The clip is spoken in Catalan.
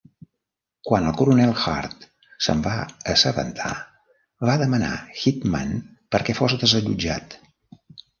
Quan el coronel Hurd se'n va assabentar, va demandar Hyndman perquè fos desallotjat.